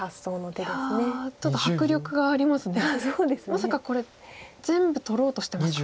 まさかこれ全部取ろうとしてますか？